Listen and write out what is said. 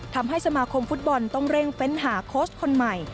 ทำให้สมาคมฟุตบอลต้องเร่งเฟ้นหาโค้ชคนใหม่